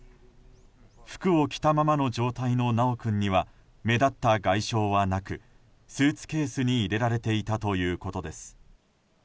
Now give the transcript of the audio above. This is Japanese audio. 服を着たままの状態の修君には目立った外傷はなくスーツケースに入れられていたということです。